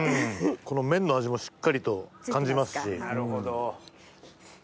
この麺の味もしっかりと感じますし。